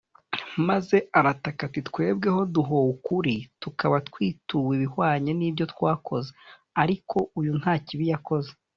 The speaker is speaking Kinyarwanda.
maze arataka ati, “twebweho duhowe ukuri, tukaba twituwe ibihwanye n’ibyo twakoze, ariko uyu nta kibi yakoze